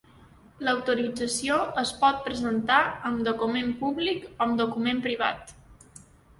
L'autorització es pot presentar amb document públic o amb document privat.